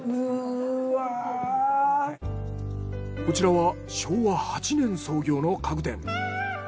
こちらは昭和８年創業の家具店。